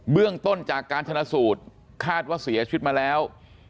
เรื่องต้นจากการชนะสูตรคาดว่าเสียชีวิตมาแล้ว